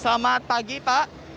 selamat pagi pak